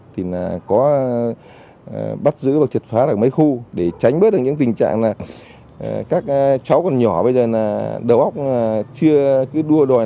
thì là có bắt giữ và triệt phá được mấy khu để tránh bớt được những tình trạng là các cháu còn nhỏ bây giờ là đầu óc chưa cứ đua đòi